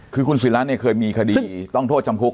คือคุณศิราเนี่ยเคยมีคดีต้องโทษจำคุก